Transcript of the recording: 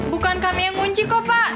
bukan kami yang kunci kok pak